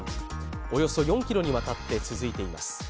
およそ４ｋｍにわたって続いています。